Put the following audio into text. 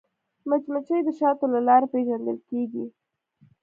مچمچۍ د شاتو له لارې پیژندل کېږي